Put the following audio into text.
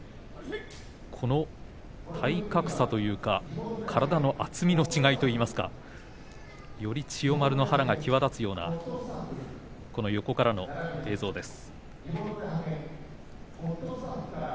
この体格差というか体の厚みの違いといいますかより千代丸のおなかが目立つこの横からの映像です。